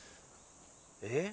えっ？